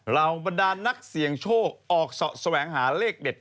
เหล่าบรรดานนักเสี่ยงโชคออกเสาะแสวงหาเลขเด็ด